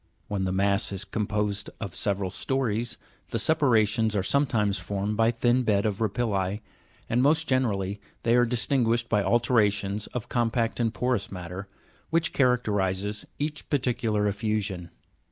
When the mass is composed of several stories, the separations are sometimes formed by thin beds of rapilli, and most generally they are dis tinguished by alternations of compact and porous matter, which characterizes each particular effusion.